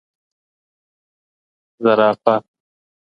زرافه 🦒